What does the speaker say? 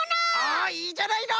あいいじゃないの！